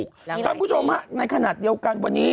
ครับผู้ชมในขณะเดียวกันวันนี้